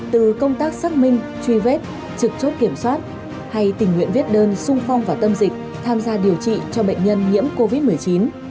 từ công tác xác minh truy vết trực chốt kiểm soát hay tình nguyện viết đơn sung phong và tâm dịch tham gia điều trị cho bệnh nhân nhiễm covid một mươi chín